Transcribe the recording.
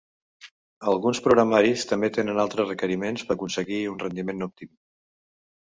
Alguns programaris també tenen altres requeriments per aconseguir un rendiment òptim.